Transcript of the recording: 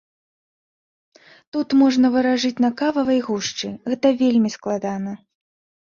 Тут можна варажыць на кававай гушчы, гэта вельмі складана.